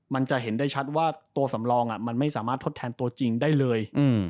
มันจะเห็นได้ชัดว่าตัวสำรองมันไม่สามารถทดแทนตัวจริงได้เลย